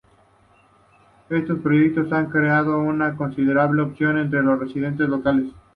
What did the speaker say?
Estos proyectos han creado una considerable oposición entre los residentes locales.